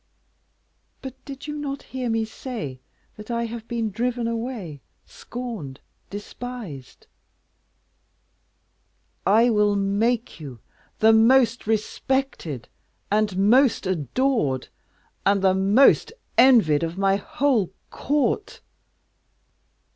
"But did you not hear me say that I have been driven away, scorned, despised?" "I will make you the most respected, and most adored, and the most envied of my whole court."